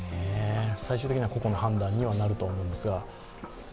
最終的には、個々の判断にはなると思いますが。